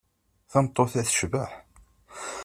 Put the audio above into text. Tameṭṭut-a tecbeḥ.